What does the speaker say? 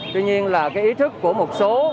tuy nhiên là cái ý thức của một số